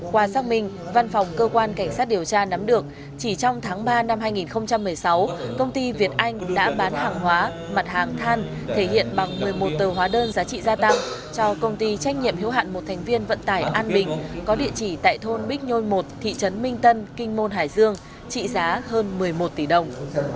qua xác minh văn phòng cơ quan cảnh sát điều tra nắm được chỉ trong tháng ba năm hai nghìn một mươi sáu công ty việt anh đã bán hàng hóa mặt hàng than thể hiện bằng một mươi một tờ hóa đơn giá trị gia tăng cho công ty trách nhiệm hiếu hạn một thành viên vận tải an bình có địa chỉ tại thôn bích nhôi một thị trấn minh tân kinh môn hải dương trị giá hơn một mươi một tỷ đồng